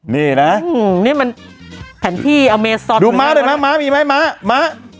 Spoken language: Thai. นี่แหละอืมนี่มันแผ่นที่สดูม้าได้มั้ยม้ามีไหมม้าม้าม้า